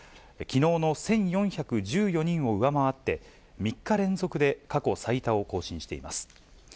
きのうの１４１４人を上回って、３日連続で過去最多を更新しています。